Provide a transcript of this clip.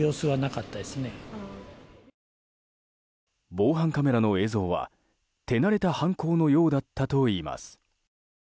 防犯カメラの映像は手慣れた犯行のようだったといいます。